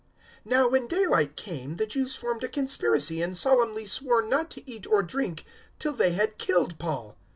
023:012 Now, when daylight came, the Jews formed a conspiracy and solemnly swore not to eat or drink till they had killed Paul.